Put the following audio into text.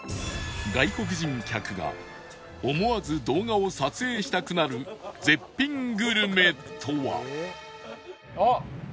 外国人客が思わず動画を撮影したくなる絶品グルメとは？